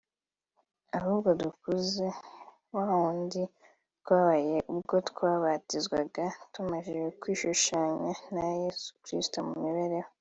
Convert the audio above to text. ahubwo dukuze wawundi twabaye ubwo twabatizwaga tugamije kwishushanya na Yezu Kristu mu mibereho